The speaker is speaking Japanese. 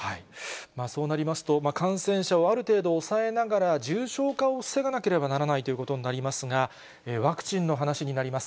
そうなりますと、感染者をある程度抑えながら、重症化を防がなければならないということになりますが、ワクチンの話になります。